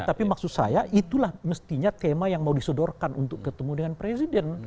tapi maksud saya itulah mestinya tema yang mau disodorkan untuk ketemu dengan presiden